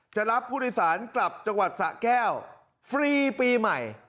จะรับผู้โดยสารกลับจังหวัดสะแก้วฟรีปีใหม่